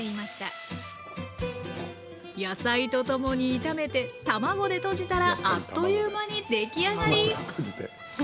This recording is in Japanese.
野菜と共に炒めて卵でとじたらあっという間に出来上がり！